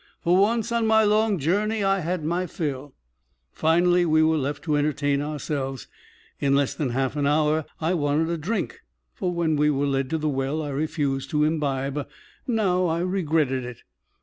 For once on my long journey, I had my fill. Finally we were left to entertain ourselves. In less than a half hour I wanted a drink, for when we were led to the well I refused to imbibe; now I regretted it.